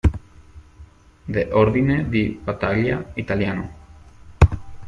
De Ordine di Battaglia Italiano.